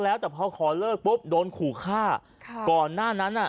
แล้วแต่พอขอเลิกปุ๊บโดนขู่ฆ่าค่ะก่อนหน้านั้นอ่ะ